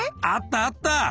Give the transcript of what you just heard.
あったあった。